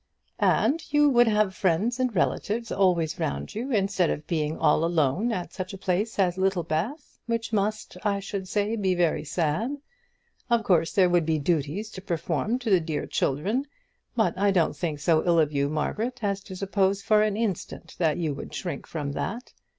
"And you would have friends and relatives always round you, instead of being all alone at such a place as Littlebath, which must, I should say, be very sad. Of course there would be duties to perform to the dear children; but I don't think so ill of you, Margaret, as to suppose for an instant that you would shrink from that.